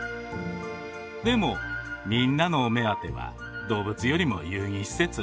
でもみんなのお目当ては動物よりも遊戯施設。